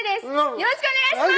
よろしくお願いします！